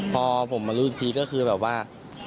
พอผมมารู้อีกทีก็คือแบบว่า